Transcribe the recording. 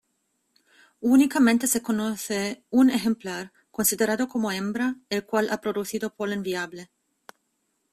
Únicamente se conoce un ejemplar, considerado como hembra, el cual ha producido polen viable.